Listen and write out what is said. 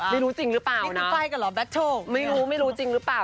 ไม่รู้จริงหรือเปล่าไม่รู้ไม่รู้จริงหรือเปล่า